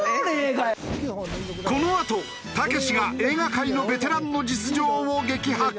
このあとたけしが映画界のベテランの実情を激白。